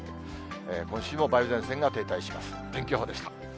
今週も梅雨前線が停滞します。